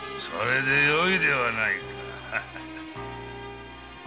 それでよいではないか